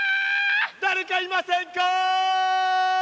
だれかいませんか？